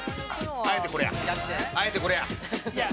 ◆あえてこれや。